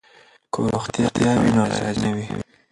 که روغتیا وي نو غیر حاضري نه وي.